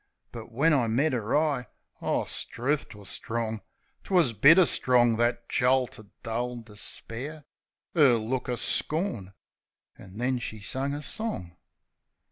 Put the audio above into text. But when I met 'er eye — O, 'struth, 'twas strong! 'Twas bitter strong, that jolt o' dull despair! 'Er look o' scorn! ... An' then, she sung a song.